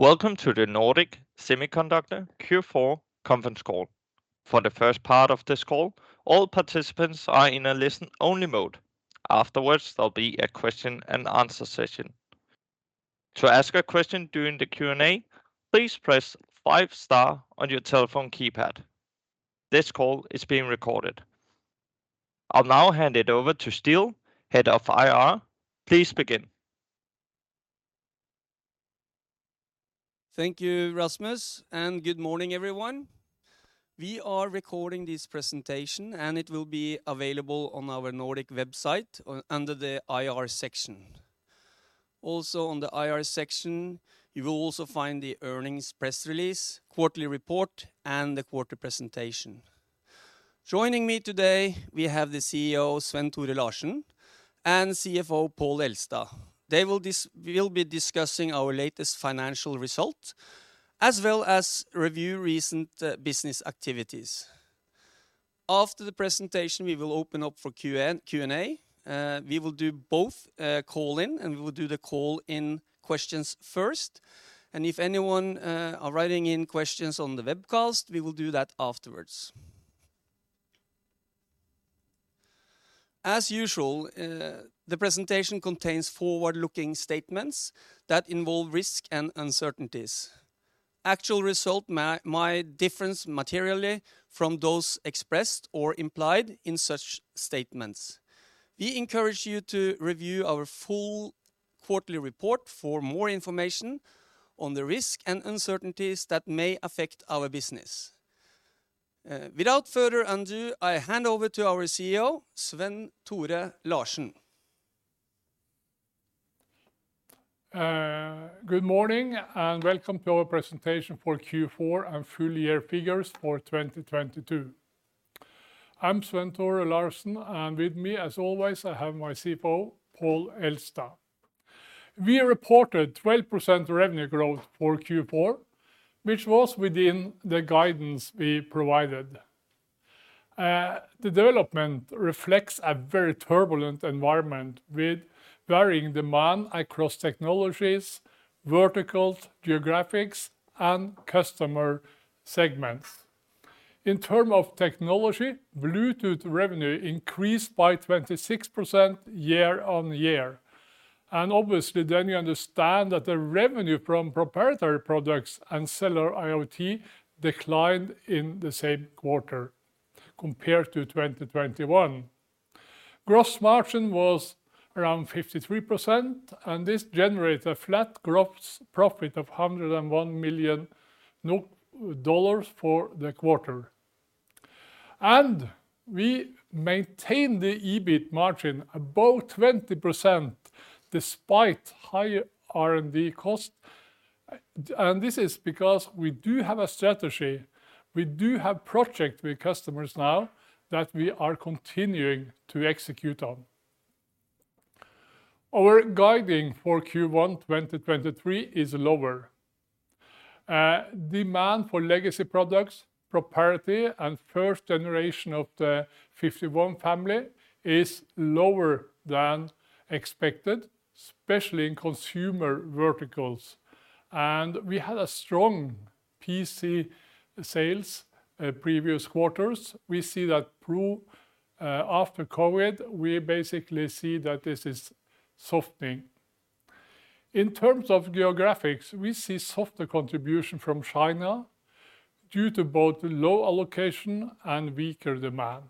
Welcome to the Nordic Semiconductor Q4 conference call. For the first part of this call, all participants are in a listen-only mode. Afterwards, there'll be a question and answer session. To ask a question during the Q&A, please press five star on your telephone keypad. This call is being recorded. I'll now hand it over to Ståle, Head of IR. Please begin. Thank you, Rasmus, and good morning, everyone. We are recording this presentation, and it will be available on our Nordic website under the IR section. On the IR section, you will also find the earnings press release, quarterly report, and the quarter presentation. Joining me today we have the CEO, Svenn-Tore Larsen, and CFO, Pål Elstad. They we'll be discussing our latest financial result, as well as review recent business activities. After the presentation, we will open up for Q&A. We will do both call in, and we will do the call-in questions first, and if anyone are writing in questions on the webcast, we will do that afterwards. As usual, the presentation contains forward-looking statements that involve risk and uncertainties. Actual results may difference materially from those expressed or implied in such statements. We encourage you to review our full quarterly report for more information on the risk and uncertainties that may affect our business. Without further ado, I hand over to our CEO, Svenn-Tore Larsen. Good morning, and welcome to our presentation for Q4 and full year figures for 2022. I'm Svenn-Tore Larsen, and with me, as always, I have my CFO Pål Elstad. We reported 12% revenue growth for Q4, which was within the guidance we provided. The development reflects a very turbulent environment with varying demand across technologies, verticals, geographies, and customer segments. In term of technology, Bluetooth revenue increased by 26% year-on-year, and obviously then you understand that the revenue from proprietary products and cellular IoT declined in the same quarter compared to 2021. Gross margin was around 53%, and this generated a flat gross profit of $101 million for the quarter. We maintained the EBIT margin above 20% despite high R&D costs, and this is because we do have a strategy, we do have project with customers now that we are continuing to execute on. Our guiding for Q1 2023 is lower. Demand for legacy products, proprietary, and first generation of the 51 family is lower than expected, especially in consumer verticals. We had a strong PC sales previous quarters. We see that through after COVID, we basically see that this is softening. In terms of geographies, we see softer contribution from China due to both low allocation and weaker demand.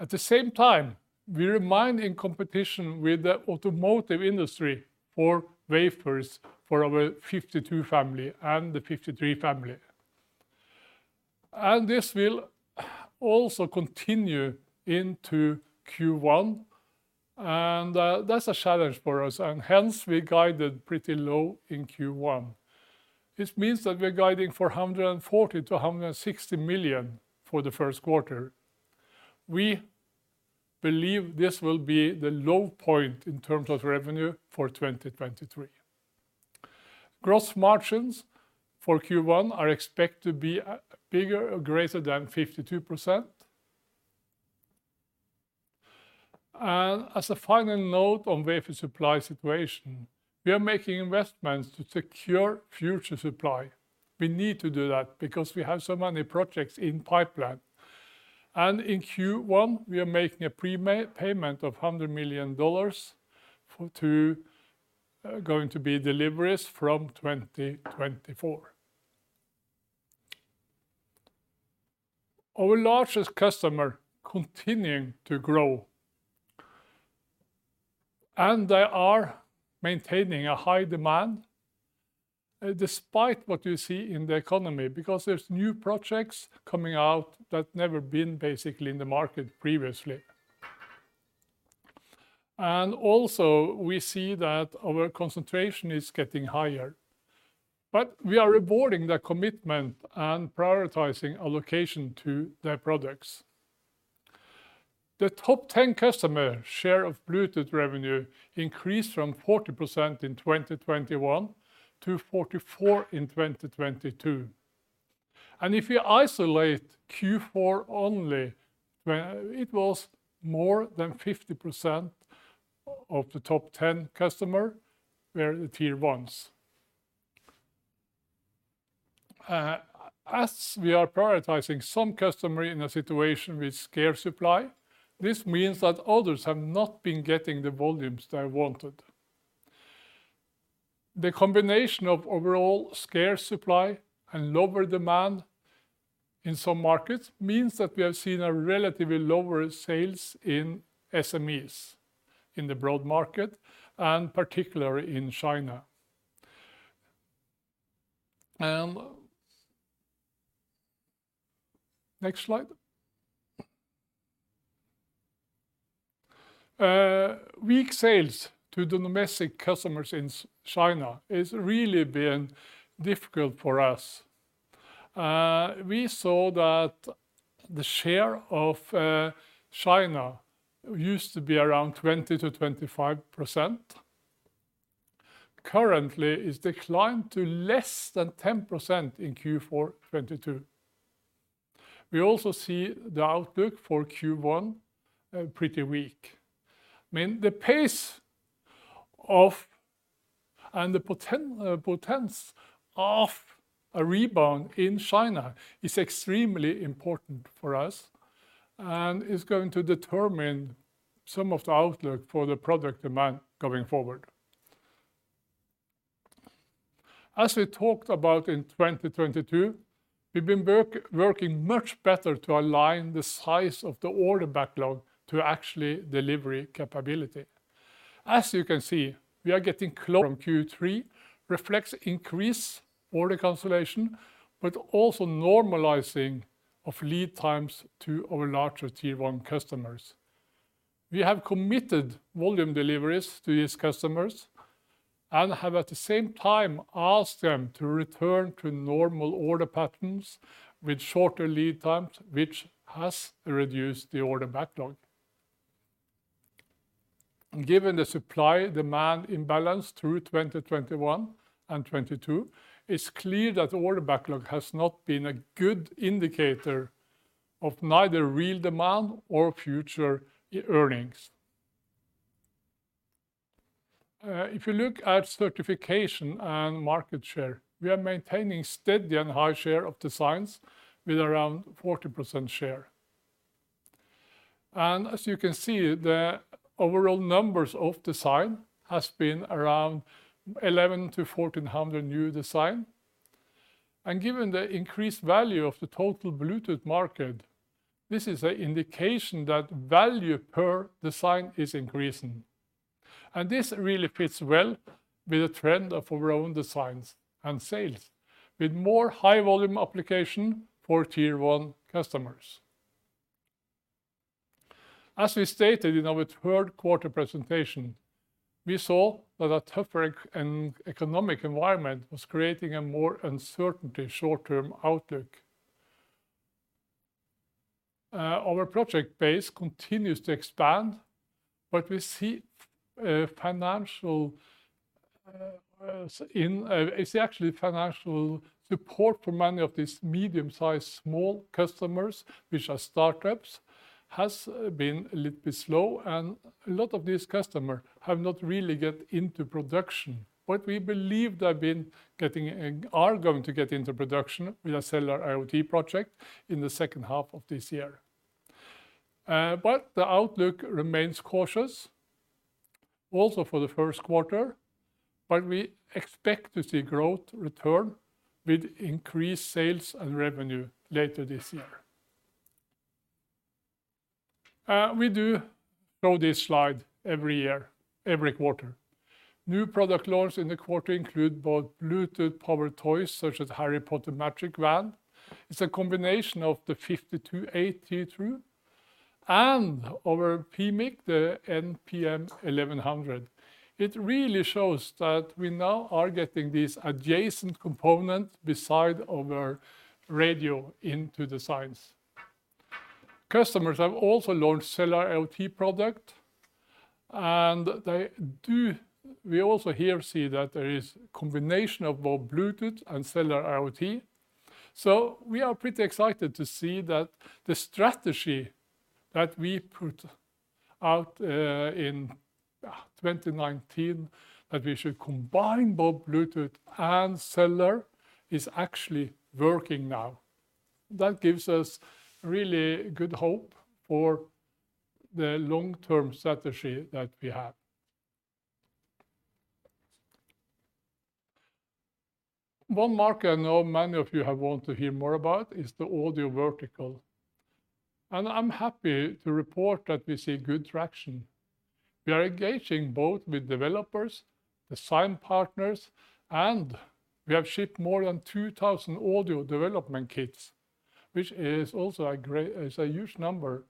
At the same time, we remain in competition with the automotive industry for wafers for our 52 family and the 53 family. This will also continue into Q1, that's a challenge for us, and hence we guided pretty low in Q1. This means that we're guiding for $140 million-$160 million for the first quarter. We believe this will be the low point in terms of revenue for 2023. Gross margins for Q1 are expected to be bigger or greater than 52%. As a final note on wafer supply situation, we are making investments to secure future supply. We need to do that because we have so many projects in pipeline. In Q1, we are making a pre-payment of $100 million for deliveries from 2024. Our largest customer continuing to grow. They are maintaining a high demand despite what you see in the economy, because there's new projects coming out that never been basically in the market previously. We see that our concentration is getting higher, but we are rewarding their commitment and prioritizing allocation to their products. The top 10 customer share of Bluetooth revenue increased from 40% in 2021 to 44% in 2022. If you isolate Q4 only, where it was more than 50% of the top 10 customer were the tier-ones. As we are prioritizing some customer in a situation with scarce supply, this means that others have not been getting the volumes they wanted. The combination of overall scarce supply and lower demand in some markets means that we have seen a relatively lower sales in SMEs, in the broad market, and particularly in China. Next slide. Weak sales to the domestic customers in China is really been difficult for us. We saw that the share of China used to be around 20%-25%. Currently, it's declined to less than 10% in Q4 2022. We also see the outlook for Q1 pretty weak. The pace of and the potency of a rebound in China is extremely important for us and is going to determine some of the outlook for the product demand going forward. As we talked about in 2022, we've been working much better to align the size of the order backlog to actually delivery capability. As you can see, we are getting close from Q3, reflects increased order consolidation, but also normalizing of lead times to our larger tier-one customers. We have committed volume deliveries to these customers and have, at the same time, asked them to return to normal order patterns with shorter lead times, which has reduced the order backlog. Given the supply-demand imbalance through 2021 and 2022, it's clear that order backlog has not been a good indicator of neither real demand or future earnings. If you look at certification and market share, we are maintaining steady and high share of designs with around 40% share. As you can see, the overall numbers of design has been around 1,100-1,400 new design. Given the increased value of the total Bluetooth market, this is a indication that value per design is increasing. This really fits well with the trend of our own designs and sales, with more high-volume application for tier-one customers. As we stated in our third quarter presentation, we saw that a tougher economic environment was creating a more uncertainty short-term outlook. Our project base continues to expand, but we see financial support for many of these medium-sized small customers, which are startups, has been a little bit slow, and a lot of these customer have not really get into production. But we believe they've been getting and are going to get into production with a cellular IoT project in the second half of this year. The outlook remains cautious also for the first quarter, but we expect to see growth return with increased sales and revenue later this year. We do show this slide every year, every quarter. New product launch in the quarter include both Bluetooth-powered toys, such as Harry Potter Magic Wand. It's a combination of the nRF52832 and our PMIC, the nPM1100. It really shows that we now are getting this adjacent component beside our radio into designs. Customers have also launched cellular IoT product, and we also here see that there is combination of both bluetooth and cellular IoT. We are pretty excited to see that the strategy that we put out in 2019, that we should combine both bluetooth and cellular, is actually working now. That gives us really good hope for the long-term strategy that we have. One market I know many of you have want to hear more about is the audio vertical, and I'm happy to report that we see good traction. We are engaging both with developers, design partners, and we have shipped more than 2,000 audio development kits, which is also a huge number.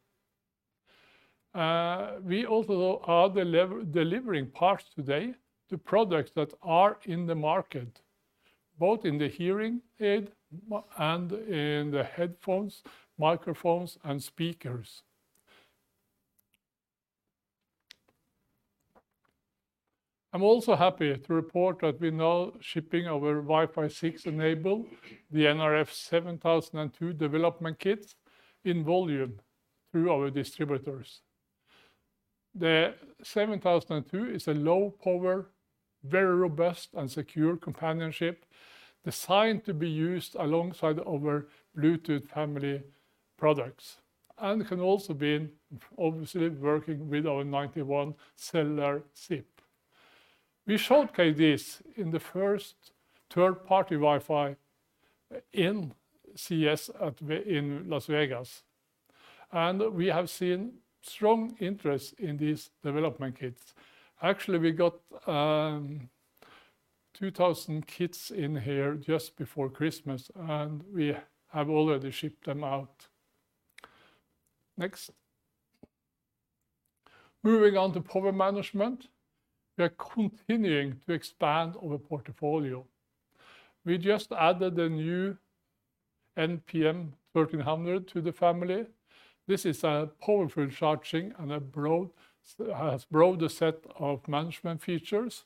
We also are delivering parts today to products that are in the market, both in the hearing aid and in the headphones, microphones, and speakers. I'm also happy to report that we're now shipping our Wi-Fi 6 enabled, the nRF7002 development kit in volume through our distributors. The nRF7002 is a low power, very robust and secure companionship designed to be used alongside our Bluetooth family products, and can also be obviously working with our nRF91 Series cellular SiP. We showcase this in the first third-party Wi-Fi in CES in Las Vegas. We have seen strong interest in these development kits. Actually, we got 2,000 kits in here just before Christmas, and we have already shipped them out. Next. Moving on to power management, we are continuing to expand our portfolio. We just added a new nPM1300 to the family. This is a powerful charging and a broader set of management features,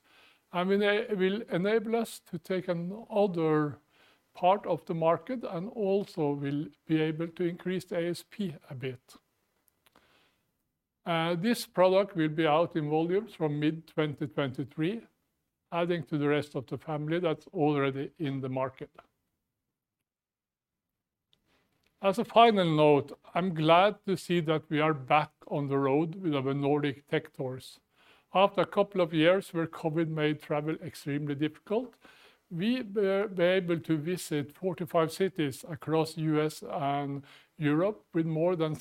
and will enable us to take another part of the market and also will be able to increase the ASP a bit. This product will be out in volumes from mid-2023, adding to the rest of the family that's already in the market. As a final note, I'm glad to see that we are back on the road with our Nordic Tech Tours. After a couple of years where COVID made travel extremely difficult, we were able to visit 45 cities across U.S. and Europe with more than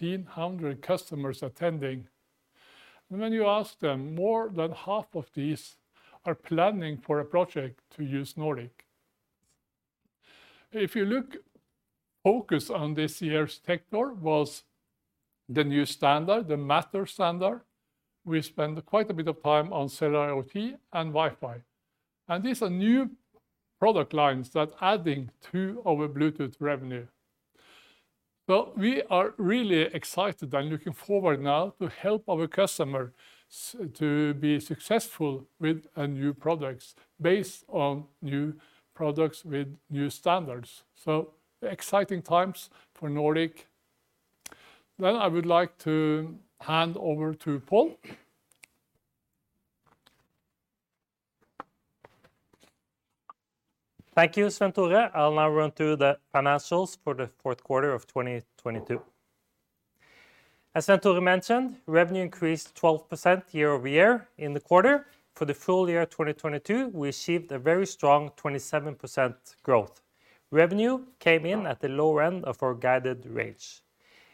1,700 customers attending. When you ask them, more than half of these are planning for a project to use Nordic. If you look, focus on this year's Tech Tour was the new standard, the Matter standard. We spent quite a bit of time on cellular IoT and Wi-Fi, and these are new product lines that adding to our Bluetooth revenue. Well, we are really excited and looking forward now to help our customers to be successful with our new products based on new products with new standards. Exciting times for Nordic. I would like to hand over to Pål. Thank you, Svenn-Tore. I'll now run through the financials for the fourth quarter of 2022. As Svenn-Tore mentioned, revenue increased 12% year-over-year in the quarter. For the full year 2022, we achieved a very strong 27% growth. Revenue came in at the lower end of our guided range.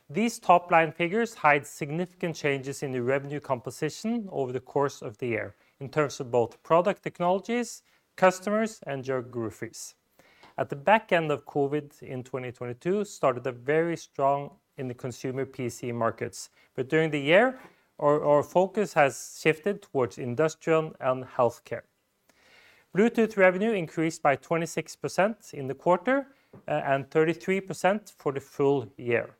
These top-line figures hide significant changes in the revenue composition over the course of the year in terms of both product technologies, customers, and geographies. At the back end of COVID in 2022 started a very strong in the consumer PC markets. During the year, our focus has shifted towards industrial and healthcare. Bluetooth revenue increased by 26% in the quarter and 33% for the full year.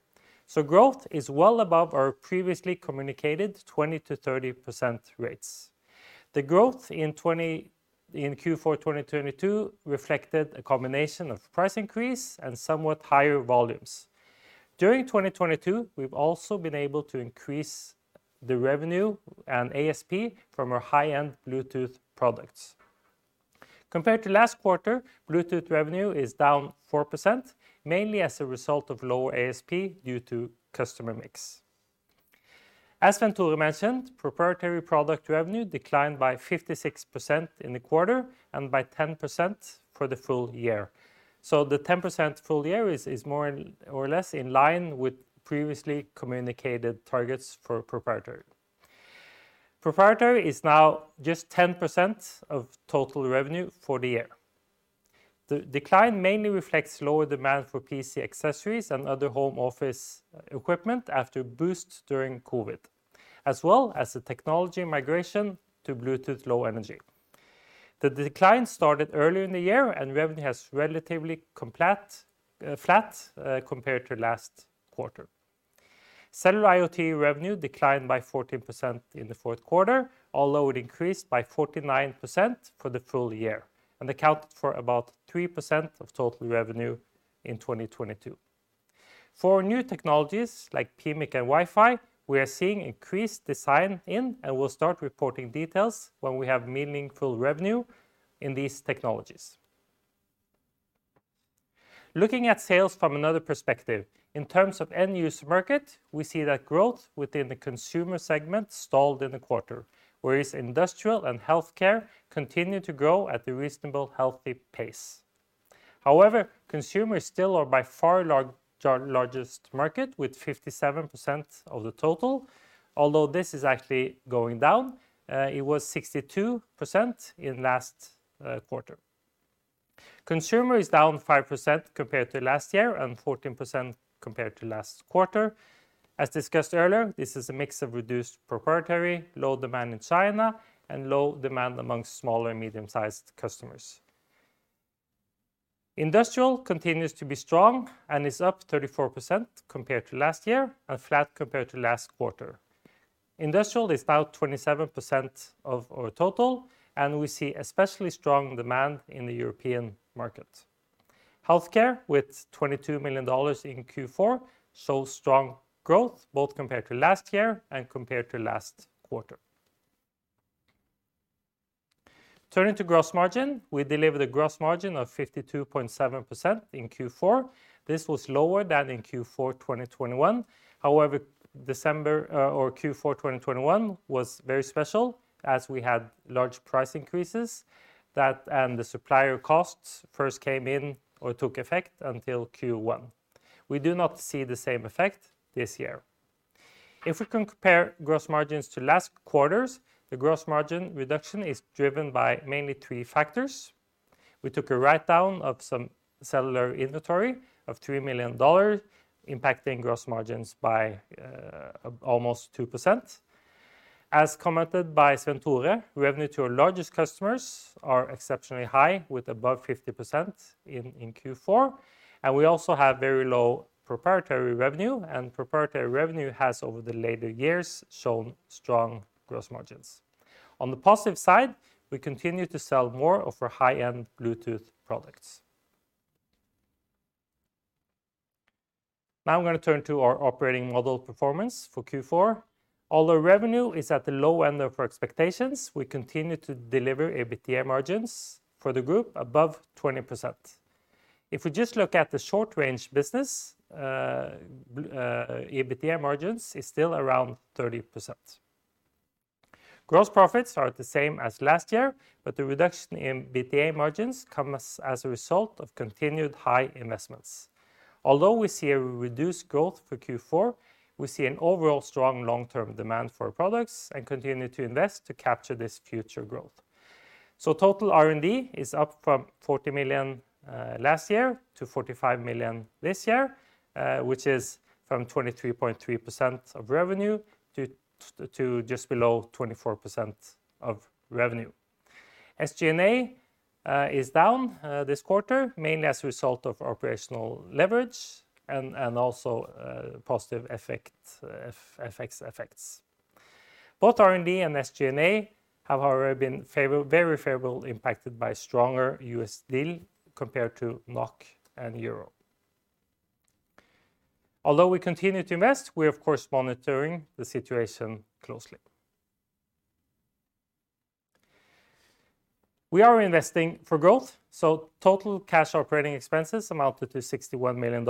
Growth is well above our previously communicated 20%-30% rates. The growth in Q4 2022 reflected a combination of price increase and somewhat higher volumes. During 2022, we've also been able to increase the revenue and ASP from our high-end Bluetooth products. Compared to last quarter, Bluetooth revenue is down 4%, mainly as a result of lower ASP due to customer mix. As Svenn-Tore mentioned, proprietary product revenue declined by 56% in the quarter and by 10% for the full year. The 10% full year is more or less in line with previously communicated targets for proprietary. Proprietary is now just 10% of total revenue for the year. The decline mainly reflects lower demand for PC accessories and other home office equipment after a boost during COVID, as well as the technology migration to Bluetooth Low Energy. The decline started early in the year. Revenue has relatively flat compared to last quarter. Cellular IoT revenue declined by 14% in the fourth quarter, although it increased by 49% for the full year and accounted for about 3% of total revenue in 2022. For new technologies like PMIC and Wi-Fi, we are seeing increased design in and will start reporting details when we have meaningful revenue in these technologies. Looking at sales from another perspective, in terms of end-use market, we see that growth within the consumer segment stalled in the quarter, whereas industrial and healthcare continue to grow at a reasonable healthy pace. However, consumers still are by far largest market with 57% of the total, although this is actually going down. It was 62% in last quarter. Consumer is down 5% compared to last year and 14% compared to last quarter. As discussed earlier, this is a mix of reduced proprietary, low demand in China, and low demand among small and medium-sized customers. Industrial continues to be strong and is up 34% compared to last year and flat compared to last quarter. Industrial is now 27% of our total, and we see especially strong demand in the European market. Healthcare, with $22 million in Q4, shows strong growth both compared to last year and compared to last quarter. Turning to gross margin, we delivered a gross margin of 52.7% in Q4. This was lower than in Q4 2021. However, December, or Q4 2021 was very special, as we had large price increases and the supplier costs first came in or took effect until Q1. We do not see the same effect this year. If we compare gross margins to last quarter's, the gross margin reduction is driven by mainly three factors. We took a write-down of some cellular inventory of $3 million, impacting gross margins by almost 2%. As commented by Svenn-Tore, revenue to our largest customers are exceptionally high, with above 50% in Q4. We also have very low proprietary revenue, and proprietary revenue has, over the later years, shown strong gross margins. On the positive side, we continue to sell more of our high-end Bluetooth products. Now I'm gonna turn to our operating model performance for Q4. Although revenue is at the low end of our expectations, we continue to deliver EBITDA margins for the group above 20%. If we just look at the short-range business, EBITDA margins is still around 30%. Gross profits are the same as last year, but the reduction in EBITDA margins comes as a result of continued high investments. Although we see a reduced growth for Q4, we see an overall strong long-term demand for our products and continue to invest to capture this future growth. Total R&D is up from $40 million last year to $45 million this year, which is from 23.3% of revenue to just below 24% of revenue. SG&A is down this quarter, mainly as a result of operational leverage and also positive FX effects. Both R&D and SG&A have already been favorable, very favorably impacted by stronger USD compared to NOK and EUR. We continue to invest, we're of course monitoring the situation closely. We are investing for growth. Total cash operating expenses amounted to $61 million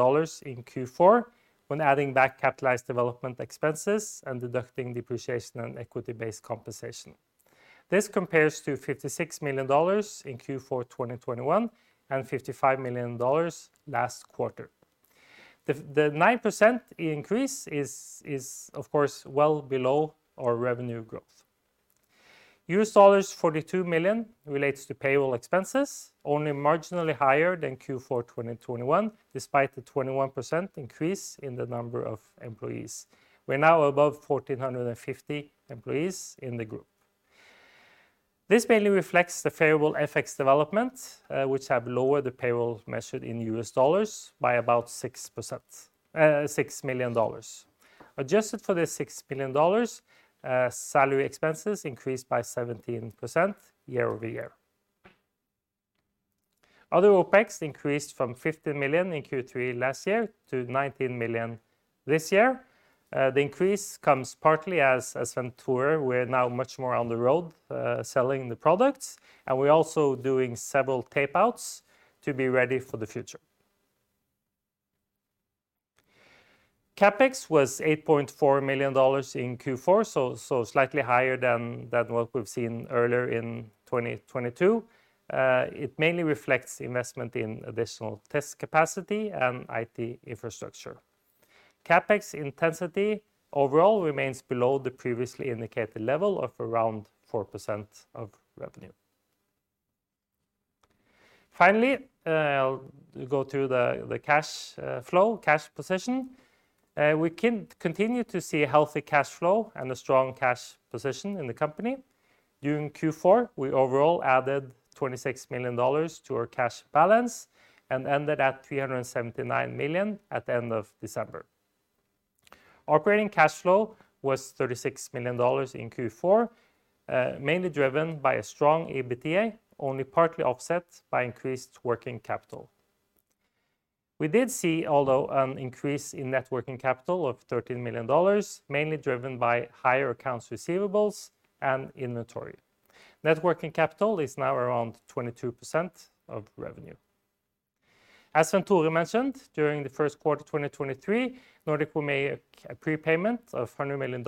in Q4 when adding back capitalized development expenses and deducting depreciation and equity-based compensation. This compares to $56 million in Q4 2021 and $55 million last quarter. The 9% increase is of course well below our revenue growth. $42 million relates to payroll expenses, only marginally higher than Q4 2021, despite the 21% increase in the number of employees. We're now above 1,450 employees in the group. This mainly reflects the favorable FX development, which have lowered the payroll measured in US dollars by about 6%, $6 million. Adjusted for the $6 million, salary expenses increased by 17% year-over-year. Other OpEx increased from $50 million in Q3 last year to $19 million this year. The increase comes partly as Svenn-Tore, we're now much more on the road, selling the products, and we're also doing several tapeouts to be ready for the future. CapEx was $8.4 million in Q4, so slightly higher than what we've seen earlier in 2022. It mainly reflects investment in additional test capacity and IT infrastructure. CapEx intensity overall remains below the previously indicated level of around 4% of revenue. Finally, I'll go through the cash flow, cash position. We continue to see healthy cash flow and a strong cash position in the company. During Q4, we overall added $26 million to our cash balance and ended at $379 million at the end of December. Operating cash flow was $36 million in Q4, mainly driven by a strong EBITDA, only partly offset by increased working capital. We did see, although, an increase in net working capital of $13 million, mainly driven by higher accounts receivables and inventory. Net working capital is now around 22% of revenue. As Svenn-Tore mentioned, during the first quarter 2023, Nordic will make a prepayment of $100 million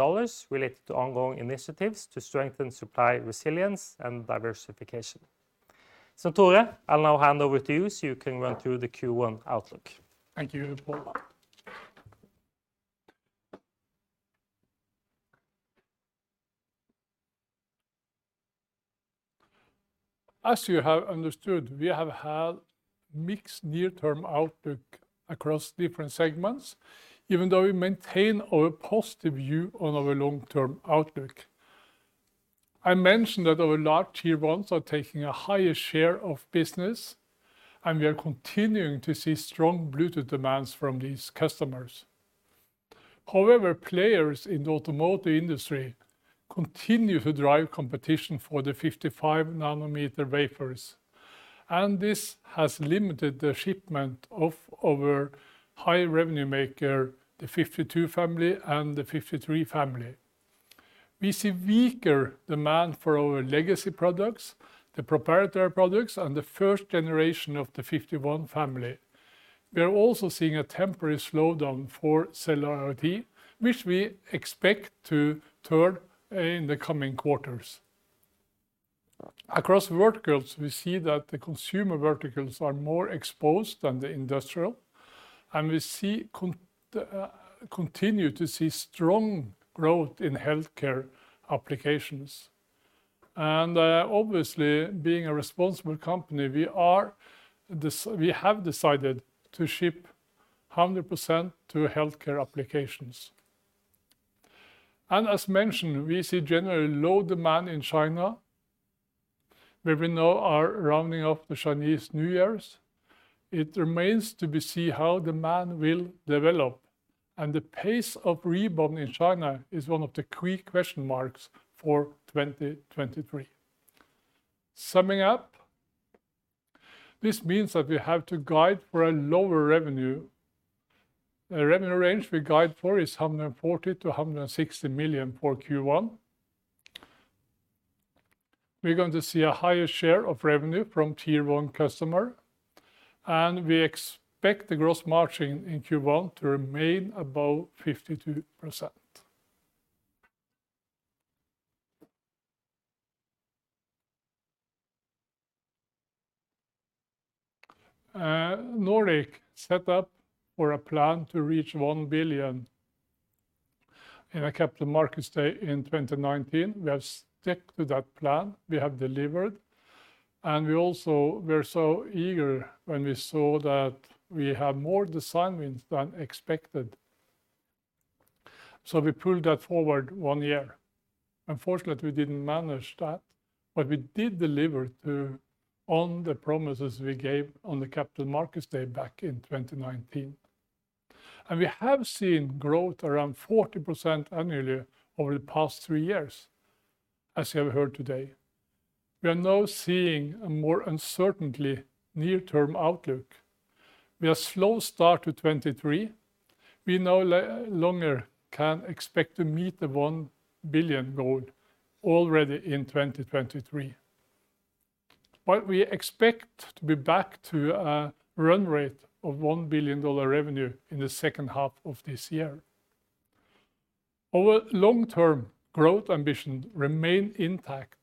related to ongoing initiatives to strengthen supply resilience and diversification. Svenn-Tore, I'll now hand over to you so you can run through the Q1 outlook. Thank you, Pål. As you have understood, we have had mixed near-term outlook across different segments, even though we maintain our positive view on our long-term outlook. I mentioned that our large tier ones are taking a higher share of business, and we are continuing to see strong Bluetooth demands from these customers. However, players in the automotive industry continue to drive competition for the 55 nm wafers, and this has limited the shipment of our high revenue maker, the nRF52 Series and the nRF53 Series. We see weaker demand for our legacy products, the proprietary products, and the first generation of the nRF51 Series. We are also seeing a temporary slowdown for cellular IoT, which we expect to turn in the coming quarters. Across verticals, we see that the consumer verticals are more exposed than the industrial. We see continue to see strong growth in healthcare applications. Obviously being a responsible company, we have decided to ship 100% to healthcare applications. As mentioned, we see generally low demand in China, where we now are rounding off the Chinese New Year. It remains to be see how demand will develop. The pace of rebound in China is one of the key question marks for 2023. Summing up, this means that we have to guide for a lower revenue. The revenue range we guide for is $140 million-$160 million for Q1. We're going to see a higher share of revenue from tier 1 customer. We expect the gross margin in Q1 to remain above 52%. Nordic set up for a plan to reach $1 billion in a Capital Markets Day in 2019. We have stuck to that plan. We have delivered, and we also were so eager when we saw that we have more design wins than expected, so we pulled that forward one year. Unfortunately, we didn't manage that, but we did deliver on the promises we gave on the Capital Markets Day back in 2019. We have seen growth around 40% annually over the past three years, as you have heard today. We are now seeing a more uncertainly near-term outlook. We are slow start to 2023. We no longer can expect to meet the $1 billion goal already in 2023. We expect to be back to a run rate of $1 billion revenue in the second half of this year. Our long-term growth ambition remain intact,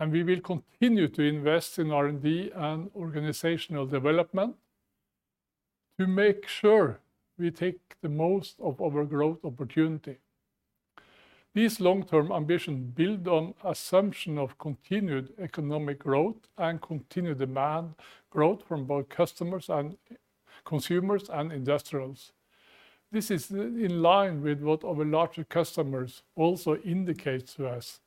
we will continue to invest in R&D and organizational development to make sure we take the most of our growth opportunity. These long-term ambition build on assumption of continued economic growth and continued demand growth from both customers and consumers and industrials. This is in line with what our larger customers also indicate to us.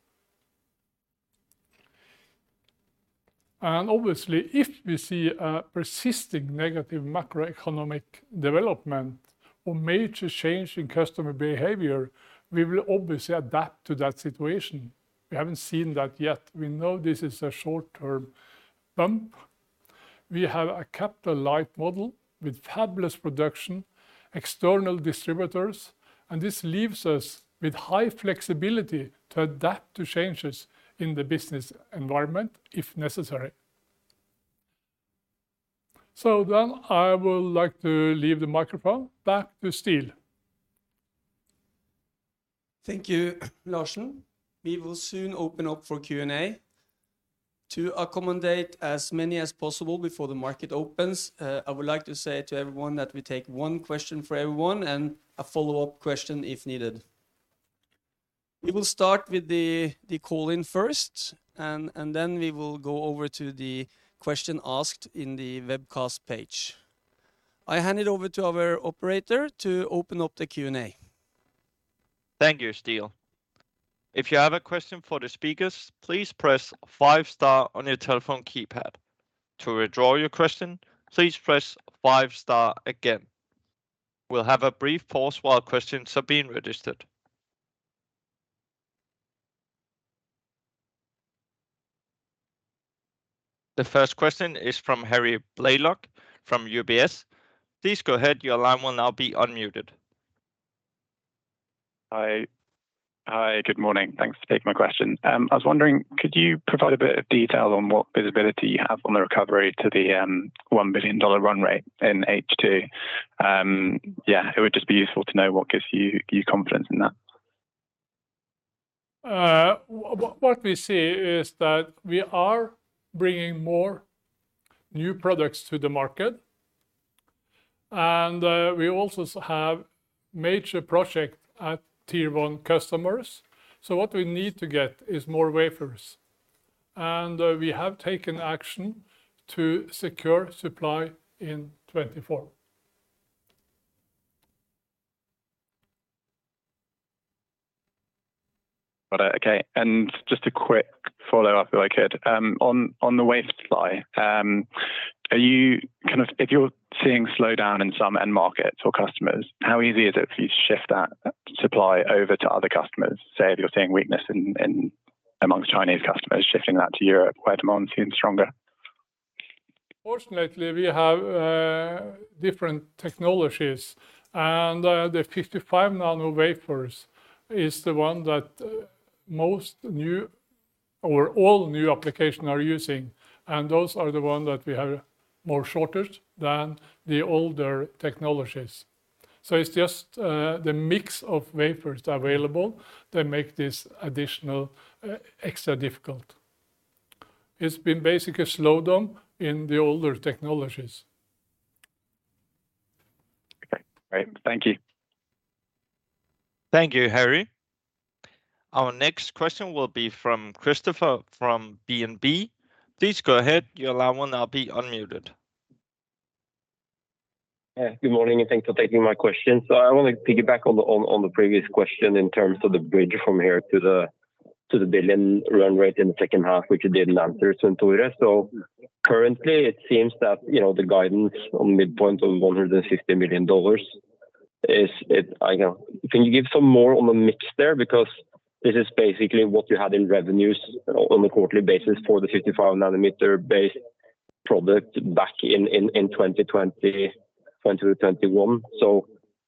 Obviously, if we see a persisting negative macroeconomic development or major change in customer behavior, we will obviously adapt to that situation. We haven't seen that yet. We know this is a short-term bump. We have a capital-light model with fabless production, external distributors, and this leaves us with high flexibility to adapt to changes in the business environment if necessary. I would like to leave the microphone back to Ståle. Thank you, Larsen. We will soon open up for Q&A. To accommodate as many as possible before the market opens, I would like to say to everyone that we take one question for everyone and a follow-up question if needed. We will start with the call-in first and then we will go over to the question asked in the webcast page. I hand it over to our operator to open up the Q&A. Thank you, Ståle. If you have a question for the speakers, please press five star on your telephone keypad. To withdraw your question, please press five star again. We'll have a brief pause while questions are being registered. The first question is from Harry Blaiklock from UBS. Please go ahead. Your line will now be unmuted. Hi. Hi, good morning. Thanks for taking my question. I was wondering, could you provide a bit of detail on what visibility you have on the recovery to the $1 billion run rate in H2? Yeah, it would just be useful to know what gives you confidence in that. What we see is that we are bringing more new products to the market, and we also have major project at tier one customers, so what we need to get is more wafers. We have taken action to secure supply in 2024. Got it. Okay. Just a quick follow-up if I could. On the wafer side, if you're seeing slowdown in some end markets or customers, how easy is it for you to shift that supply over to other customers? Say, if you're seeing weakness in amongst Chinese customers, shifting that to Europe where demand seems stronger? Fortunately, we have different technologies, and the 55 nm wafers is the one that most new or all new applications are using, and those are the one that we have more shortage than the older technologies. It's just the mix of wafers available that make this additional extra difficult. It's been basically a slowdown in the older technologies. Okay. Great. Thank you. Thank you, Harry. Our next question will be from Christoffer from DNB. Please go ahead. Your line will now be unmuted. Yeah. Good morning, and thanks for taking my question. I want to piggyback on the previous question in terms of the bridge from here to the billion run rate in the second half, which you didn't answer Svenn-Tore. Currently it seems that, you know, the guidance on midpoint of $160 million. I don't know, can you give some more on the mix there? Because this is basically what you had in revenues on a quarterly basis for the 55 nm-based product back in 2020, 2021.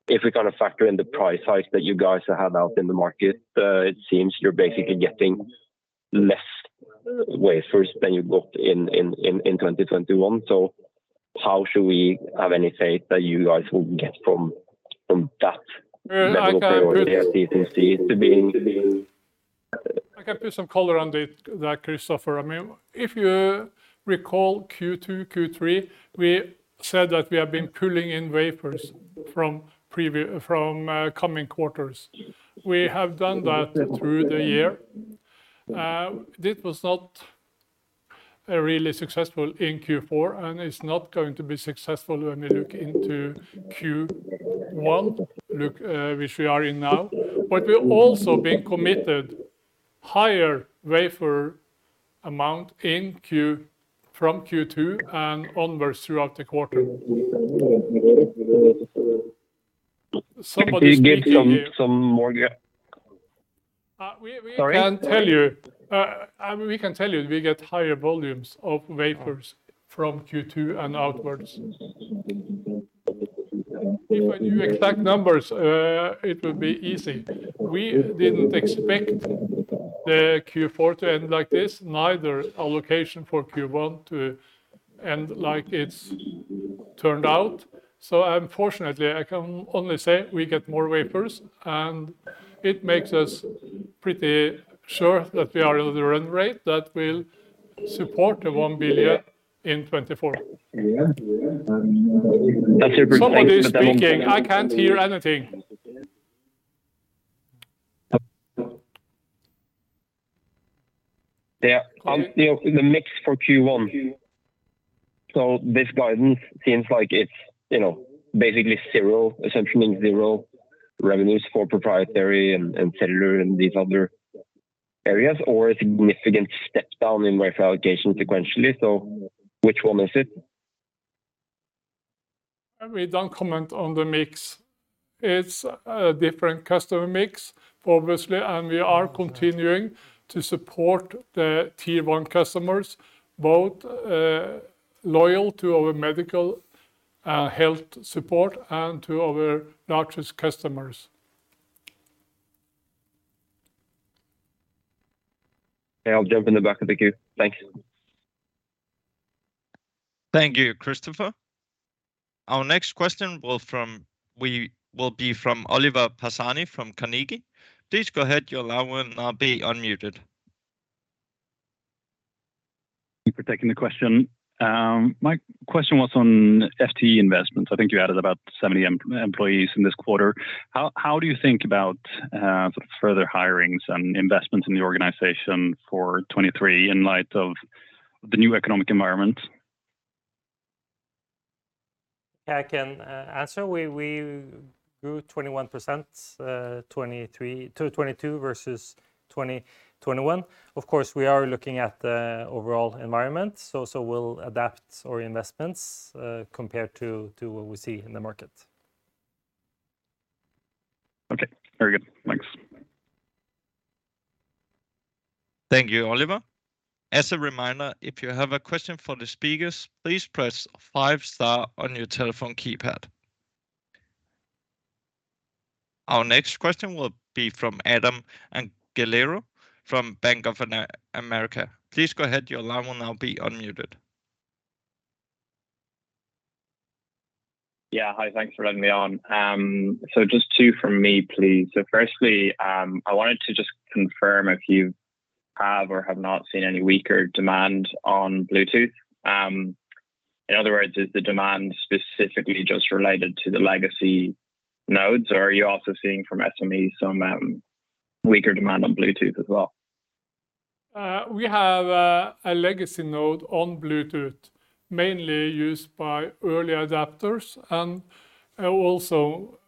If we kind of factor in the price hikes that you guys have out in the market, it seems you're basically getting less wafers than you got in 2021. How should we have any faith that you guys will get from that medical priority effictively? I can put some color on Christoffer. I mean, if you recall Q2, Q3, we said that we have been pulling in wafers from coming quarters. We have done that through the year. This was not really successful in Q4, and it's not going to be successful when we look into Q1, which we are in now. We're also being committed higher wafer amount from Q2 and onwards throughout the quarter. Can you give some more. We can tell. Sorry. I mean, we can tell you we get higher volumes of wafers from Q2 and outwards. If I knew exact numbers, it would be easy. We didn't expect the Q4 to end like this, neither allocation for Q1 to end like it's turned out. Unfortunately, I can only say we get more wafers, and it makes us pretty sure that we are at a run rate that will support the $1 billion in 2024. That's a pretty- Somebody's speaking. I can't hear anything. Yeah. On, you know, the mix for Q1. This guidance seems like it's, you know, basically zero, essentially zero revenues for proprietary and cellular and these other areas, or a significant step down in wafer allocation sequentially. Which one is it? We don't comment on the mix. It's a different customer mix, obviously. We are continuing to support the tier one customers, both loyal to our medical health support and to our largest customers. Yeah. I'll jump in the back of the queue. Thank you. Thank you, Christoffer. Our next question will be from Oliver Pisani from Carnegie. Please go ahead. Your line will now be unmuted. Thank you for taking the question. My question was on FTE investments. I think you added about 70 employees in this quarter. How do you think about sort of hirings and investments in the organization for 2023 in light of the new economic environment? I can answer. We grew 21%, 2022 versus 2021. Of course, we are looking at the overall environment, so we'll adapt our investments, compared to what we see in the market. Okay. Very good. Thanks. Thank you, Oliver. As a reminder, if you have a question for the speakers, please press five star on your telephone keypad. Our next question will be from Adam Angelov from Bank of America. Please go ahead. Your line will now be unmuted. Yeah. Hi. Thanks for letting me on. Just two from me, please. Firstly, I wanted to just confirm if you have or have not seen any weaker demand on Bluetooth. In other words, is the demand specifically just related to the legacy nodes or are you also seeing from SMEs some weaker demand on Bluetooth as well? We have a legacy node on Bluetooth mainly used by early adapters and also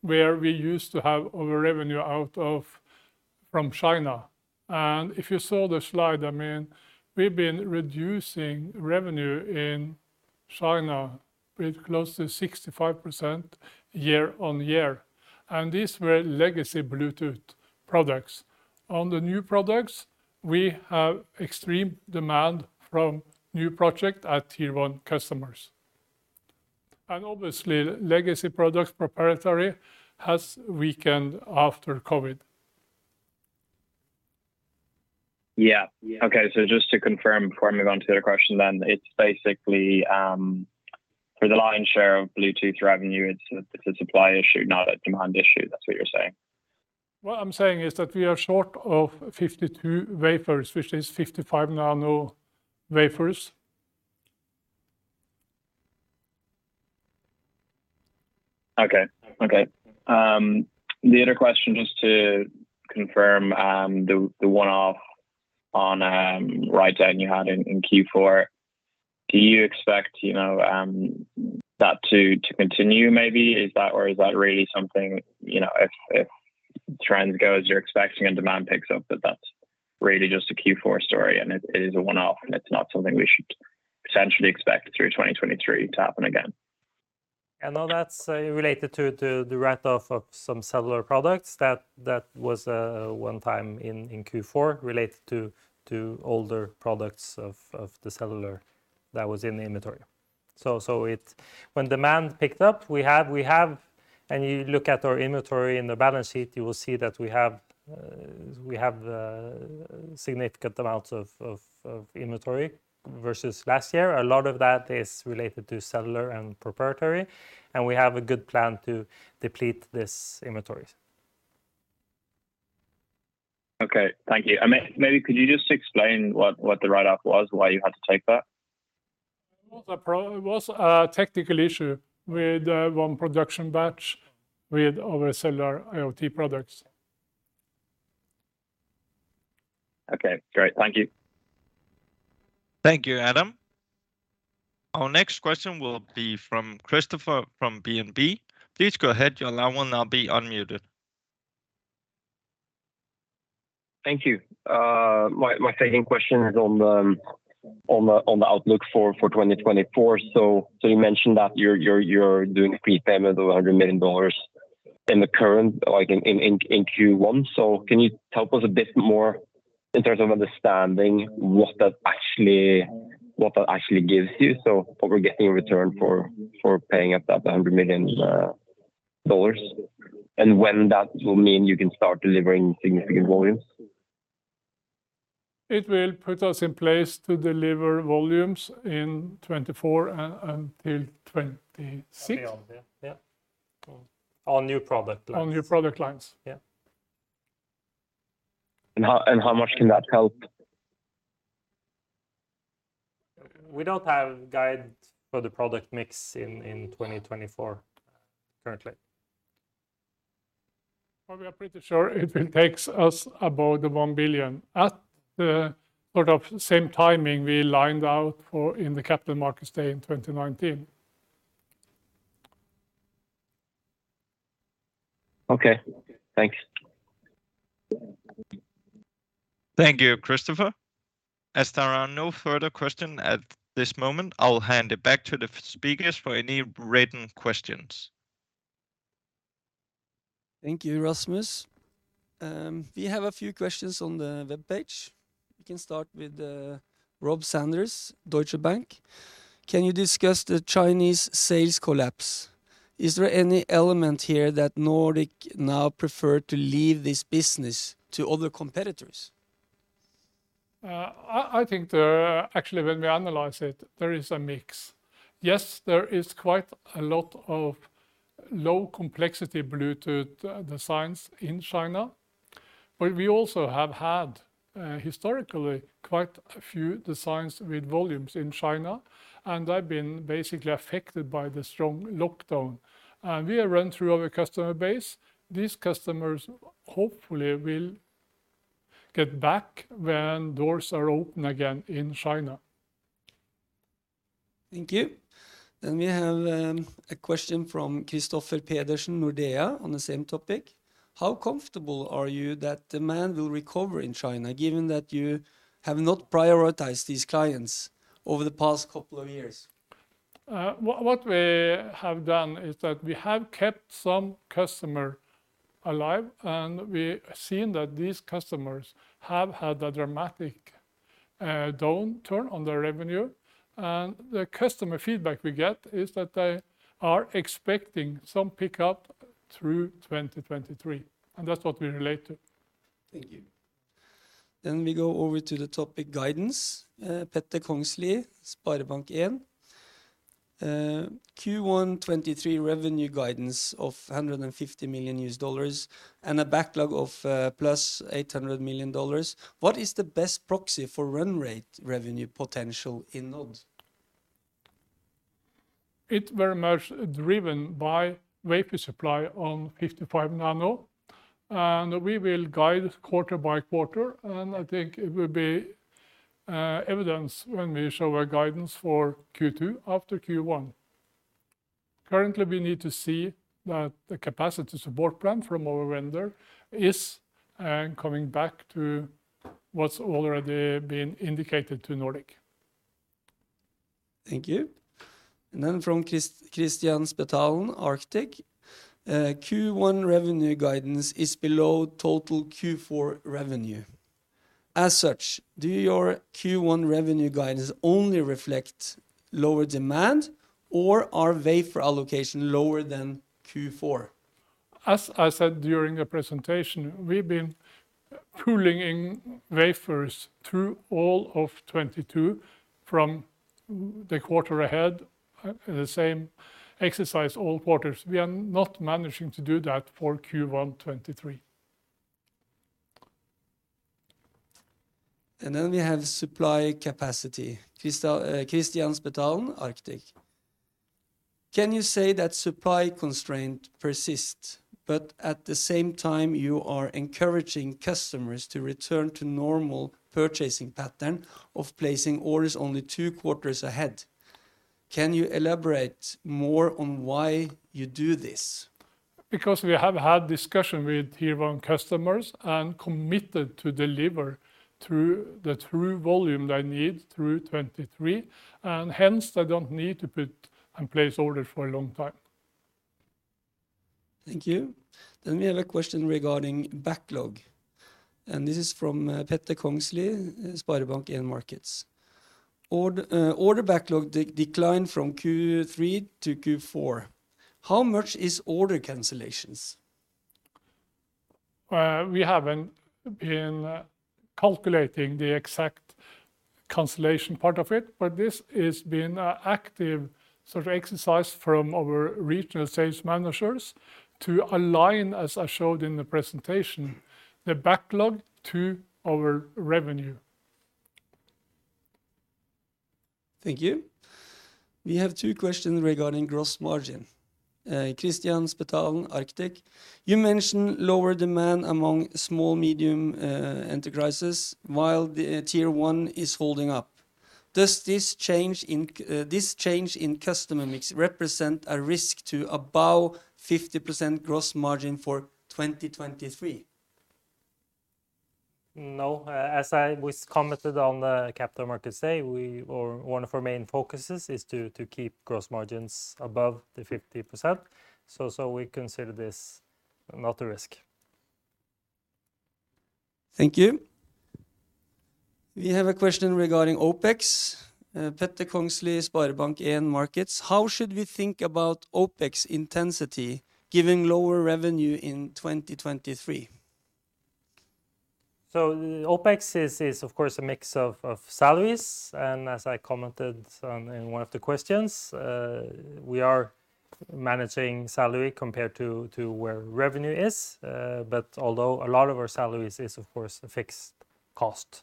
where we used to have our revenue out of from China. If you saw the slide, I mean, we've been reducing revenue in China with close to 65% year-on-year, and these were legacy Bluetooth products. On the new products, we have extreme demand from new project at tier one customers. Obviously, legacy products proprietary has weakened after COVID. Yeah. Okay. Just to confirm before I move on to the other question then, it's basically, for the lion's share of Bluetooth revenue, it's a supply issue, not a demand issue. That's what you're saying? What I'm saying is that we are short of 52 wafers, which is 55 nm wafers. Okay. Okay. The other question, just to confirm, the one-off on write-down you had in Q4, do you expect, you know, that to continue maybe? Or is that really something, you know, if trends go as you're expecting and demand picks up, that's really just a Q4 story and it is a one-off, and it's not something we should essentially expect through 2023 to happen again? All that's related to the write-off of some cellular products that was one time in Q4 related to older products of the cellular that was in the inventory. When demand picked up, we have. You look at our inventory in the balance sheet, you will see that we have significant amounts of inventory versus last year. A lot of that is related to cellular and proprietary, and we have a good plan to deplete this inventories. Okay. Thank you. Maybe could you just explain what the write-off was, why you had to take that? It was a technical issue with one production batch with our cellular IoT products. Okay, great. Thank you. Thank you, Adam. Our next question will be from Christoffer from DNB. Please go ahead. Your line will now be unmuted. Thank you. My second question is on the outlook for 2024. You mentioned that you're doing prepayment of $100 million in the current in Q1. Can you tell us a bit more in terms of understanding what that actually gives you? What we're getting in return for paying up that $100 million, and when that will mean you can start delivering significant volumes? It will put us in place to deliver volumes in 2024 until 2026. Beyond. Yeah. Yeah. On new product lines. On new product lines. Yeah. How much can that help? We don't have guide for the product mix in 2024 currently. We are pretty sure it will take us above the $1 billion at the sort of same timing we lined out for in the capital markets day in 2019. Okay. Thanks. Thank you, Christoffer. As there are no further question at this moment, I'll hand it back to the speakers for any written questions. Thank you, Rasmus. We have a few questions on the webpage. We can start with Rob Sanders, Deutsche Bank. Can you discuss the Chinese sales collapse? Is there any element here that Nordic now prefer to leave this business to other competitors? I think there. Actually, when we analyze it, there is a mix. Yes, there is quite a lot of low complexity Bluetooth designs in China. We also have had historically quite a few designs with volumes in China, and they've been basically affected by the strong lockdown. We have run through our customer base. These customers hopefully will get back when doors are open again in China. Thank you. We have, a question from Kristoffer Pedersen, Nordea, on the same topic. How comfortable are you that demand will recover in China, given that you have not prioritized these clients over the past couple of years? What we have done is that we have kept some customer alive, and we have seen that these customers have had a dramatic downturn on their revenue. The customer feedback we get is that they are expecting some pickup through 2023, and that's what we relate to. Thank you. We go over to the topic guidance. Petter Kongslie, SpareBank 1. Q1 2023 revenue guidance of $150 million and a backlog of +$800 million. What is the best proxy for run rate revenue potential in NOD? It's very much driven by wafer supply on 55 nm, and we will guide quarter by quarter, and I think it will be evidence when we show our guidance for Q2 after Q1. Currently, we need to see that the capacity support plan from our vendor is coming back to what's already been indicated to Nordic. Thank you. Then from Kristian Spetalen, Arctic, "Q1 revenue guidance is below total Q4 revenue. As such, do your Q1 revenue guidance only reflect lower demand or are wafer allocation lower than Q4? As I said during the presentation, we've been pooling in wafers through all of 2022 from the quarter ahead, the same exercise all quarters. We are not managing to do that for Q1 2023. We have supply capacity. Kristian Spetalen, Arctic, "Can you say that supply constraint persists, but at the same time you are encouraging customers to return to normal purchasing pattern of placing orders only two quarters ahead? Can you elaborate more on why you do this? We have had discussion with tier one customers and committed to deliver through the true volume they need through 2023, and hence they don't need to put and place orders for a long time. Thank you. We have a question regarding backlog, and this is from Petter Kongslie, SpareBank 1 Markets. "Order backlog declined from Q3 to Q4. How much is order cancellations? We haven't been calculating the exact cancellation part of it. This has been a active sort of exercise from our regional sales managers to align, as I showed in the presentation, the backlog to our revenue. Thank you. We have two questions regarding gross margin. Christian Spetalen, Arctic, "You mentioned lower demand among small, medium enterprises while the tier one is holding up. Does this change in customer mix represent a risk to above 50% gross margin for 2023? As we commented on the Capital Markets Day, or one of our main focus is to keep gross margins above the 50%, so we consider this not a risk. Thank you. We have a question regarding OpEx. Petter Kongslie, SpareBank 1 Markets, "How should we think about OpEx intensity given lower revenue in 2023? The OpEx is of course a mix of salaries, and as I commented some in one of the questions, we are managing salary compared to where revenue is, but although a lot of our salaries is of course a fixed cost.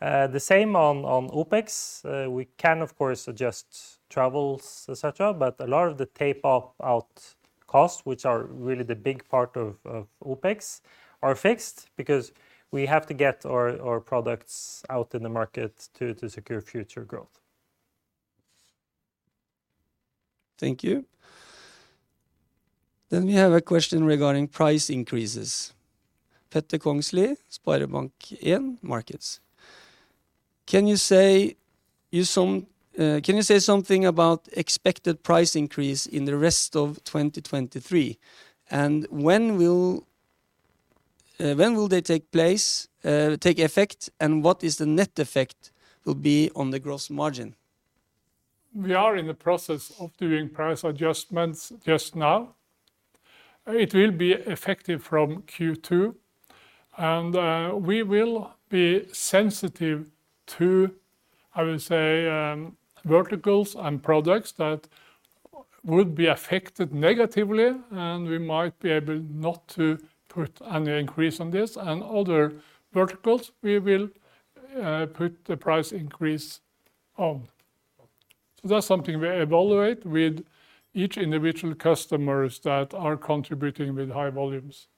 The same on OpEx. We can of course adjust travels, et cetera, but a lot of the tapeouts cost, which are really the big part of OpEx, are fixed because we have to get our products out in the market to secure future growth. Thank you. We have a question regarding price increases. Petter Kongslie, SpareBank 1 Markets, "Can you say something about expected price increase in the rest of 2023, and when will they take place, take effect, and what is the net effect will be on the gross margin? We are in the process of doing price adjustments just now. It will be effective from Q2. We will be sensitive to, I would say, verticals and products that would be affected negatively, and we might be able not to put any increase on this. Other verticals, we will put the price increase on. That's something we evaluate with each individual customers that are contributing with high volumes.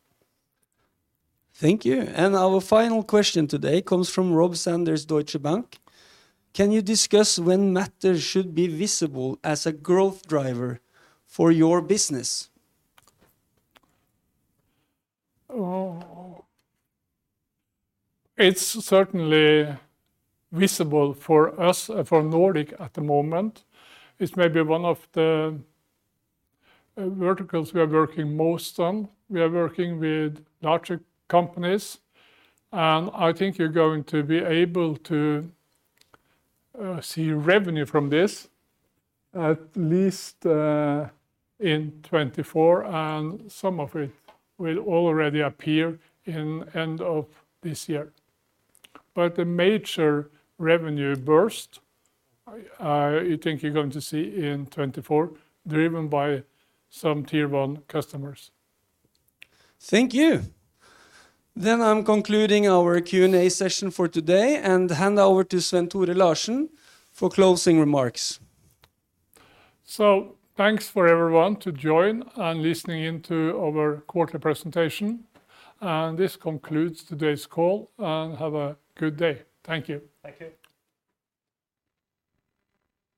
Thank you. Our final question today comes from Rob Sanders, Deutsche Bank, "Can you discuss when Matter should be visible as a growth driver for your business? It's certainly visible for us for Nordic at the moment. It's maybe one of the verticals we are working most on. We are working with larger companies, and I think you're going to be able to see revenue from this at least in 2024, and some of it will already appear in end of this year. The major revenue burst, I think you're going to see in 2024, driven by some tier one customers. Thank you. I'm concluding our Q&A session for today and hand over to Svenn-Tore Larsen for closing remarks. Thanks for everyone to join and listening in to our quarter presentation, and this concludes today's call, and have a good day. Thank you. Thank you.